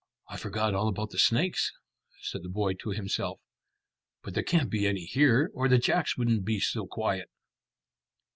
"I forgot all about the snakes," said the boy to himself; "but there can't be any here, or the jacks wouldn't be so quiet."